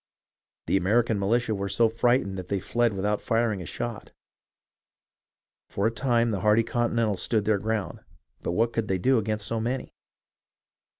The American militia were so frightened that they fled without firing a shot. For a time the hardy Continentals stood their ground, but what could they do against so many